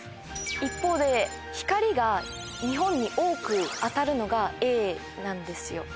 一方で光が日本に多く当たるのがＡなんですよ。